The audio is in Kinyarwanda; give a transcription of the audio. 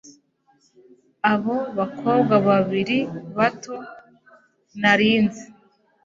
abo bakobwa babiri bato, nari nzi